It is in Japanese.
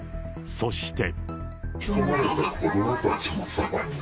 そして。